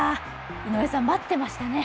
井上さん、待ってましたね。